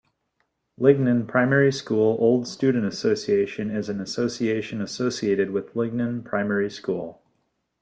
Lingnan Primary School Old Student Association is an association associated with Lingnan Primary School.